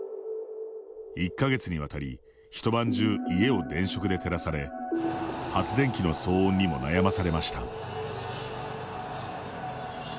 １か月にわたり一晩中、家を電飾で照らされ発電機の騒音にも悩まされました。